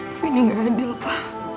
tapi ini nggak adil pa